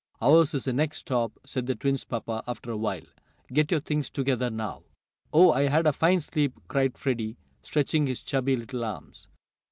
"Ours is the next stop," said the twins' papa, after a while. "Get your things together now." "Oh, I had a fine sleep!" cried Freddie, stretching his chubby little arms.